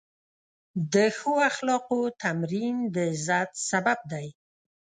د ښو اخلاقو تمرین د عزت سبب دی.